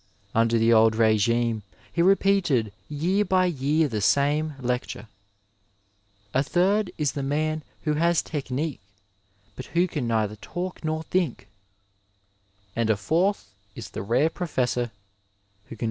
Under the old r^bne he repeated year by year the same lecture. A third is the man who has technique but who can neither talk nor think ; and a fourth is the rare professor who can do all i IHatff of ihfi Bev.